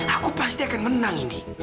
aku pasti akan menang